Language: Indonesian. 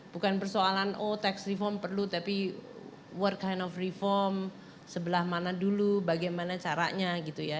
bukan persoalan oh tax reform perlu tapi workind of reform sebelah mana dulu bagaimana caranya gitu ya